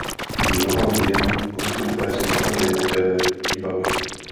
Mnoho změn konstruktéři provedli také ve výbavě.